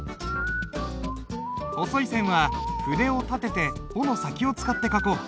細い線は筆を立てて穂の先を使って書こう。